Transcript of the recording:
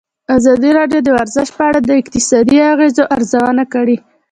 ازادي راډیو د ورزش په اړه د اقتصادي اغېزو ارزونه کړې.